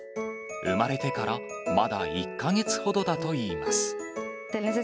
産まれてからまだ１か月ほどだといいます。